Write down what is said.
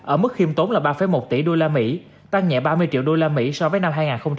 ở mức khiêm tốn là ba một tỷ usd tăng nhẹ ba mươi triệu usd so với năm hai nghìn một mươi tám